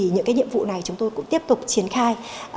những nhiệm vụ này chúng tôi cũng tiếp tục triển khai